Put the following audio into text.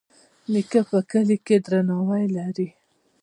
نیکه په کلي کې درناوی لري.